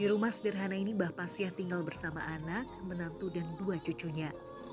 di rumah sederhana ini mbah pasya tinggal bersama anak menantu dan dua cucunya